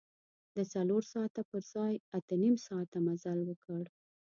د څلور ساعته پر ځای اته نیم ساعته مزل وکړ.